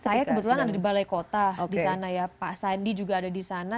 saya kebetulan ada di balai kota di sana ya pak sandi juga ada di sana